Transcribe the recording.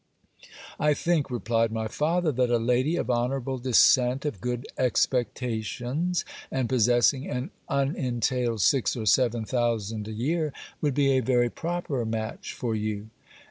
'I think,' replied my father, 'that a lady of honourable descent, of good expectations, and possessing an unentailed six or seven thousand a year would be a very proper match for you.'